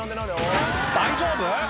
大丈夫？